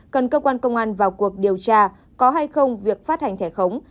cần cơ quan công an vào cuộc điều tra có hay không việc phát hành thẻ khống